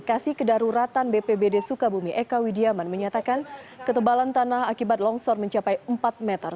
kasih kedaruratan bpbd sukabumi eka widiaman menyatakan ketebalan tanah akibat longsor mencapai empat meter